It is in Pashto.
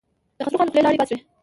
د خسرو خان له خولې لاړې باد شوې.